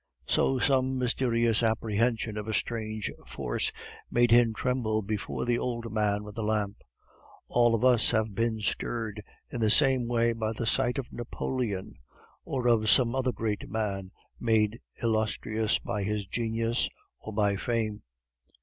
So some mysterious apprehension of a strange force made him tremble before the old man with the lamp. All of us have been stirred in the same way by the sight of Napoleon, or of some other great man, made illustrious by his genius or by fame.